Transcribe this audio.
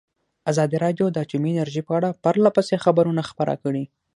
ازادي راډیو د اټومي انرژي په اړه پرله پسې خبرونه خپاره کړي.